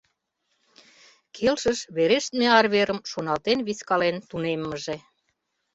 Келшыш верештме арверым шоналтен-вискален тунеммыже.